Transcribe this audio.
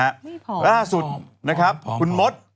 และท่าสุดนะครับคุณมด